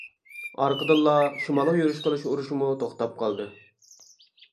ئارقىدىنلا شىمالغا يۈرۈش قىلىش ئۇرۇشىمۇ توختاپ قالدى.